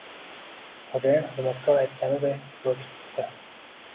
Xoʻjayin xizmatkor aytganiday yoʻl tutibdi